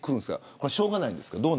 これは、しょうがないんですか。